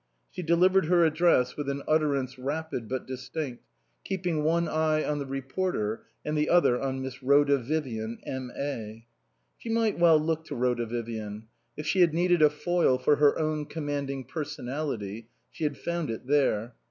She delivered her address with an 218 INAUGURAL ADDRESSES utterance rapid but distinct, keeping one eye on the reporter and the other on Miss Rhoda Vivian, M.A. She might well look to Rhoda Vivian. If she had needed a foil for her own commanding per sonality, she had found it there.